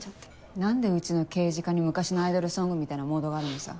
何でうちの刑事課に昔のアイドルソングみたいなモードがあるのさ。